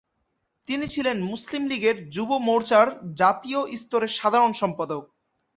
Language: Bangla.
তিনি ছিলেন মুসলিম লীগের যুব মোর্চার জাতীয় স্তরের সাধারণ সম্পাদক।